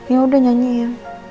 ya udah nyanyi ya